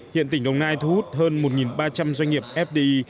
hiện tỉnh đồng nai thu hút hơn một ba trăm linh doanh nghiệp fdi